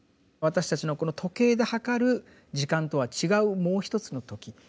私たちのこの時計で計る時間とは違うもう一つの「時」。